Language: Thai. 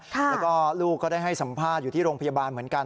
แล้วก็ลูกก็ได้ให้สัมภาษณ์อยู่ที่โรงพยาบาลเหมือนกัน